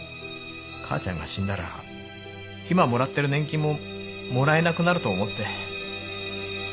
母ちゃんが死んだら今もらっている年金ももらえなくなると思って。